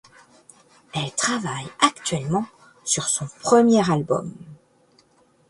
Elle travaille actuellement sur son premier album.